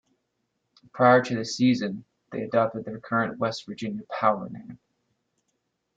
Prior to the season, they adopted their current West Virginia Power name.